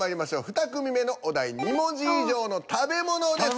２組目のお題２文字以上の食べ物です。